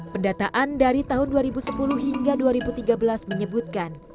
pendataan dari tahun dua ribu sepuluh hingga dua ribu tiga belas menyebutkan